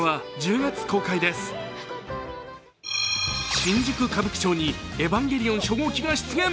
新宿・歌舞伎町にエヴァンゲリオン初号機が出現。